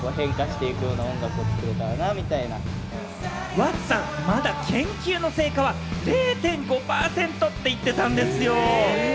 ＷｕｒｔＳさん、まだ研究の成果は０．５％って言ってたんですよ！